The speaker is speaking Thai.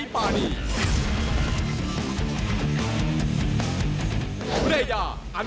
สวัสดีครับ